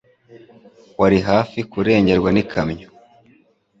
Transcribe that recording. Wari hafi kurengerwa n'ikamyo